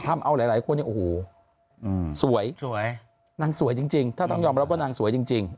ทำเอาหลายคนเนี่ยโอ้โหสวย